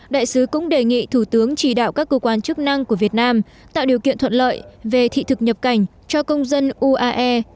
đại sứ cũng đề nghị thủ tướng chỉ đạo các cơ quan chức năng của việt nam tạo điều kiện thuận lợi về thị thực nhập cảnh cho công dân uae